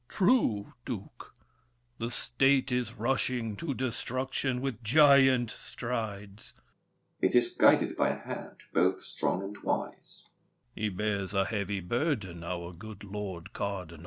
True, Duke! The State is rushing to destruction With giant strides! DUKE DE BELLEGARDE. 'Tis guided by a hand Both strong and wise. THE KING. He bears a heavy burden, Our good lord cardinal!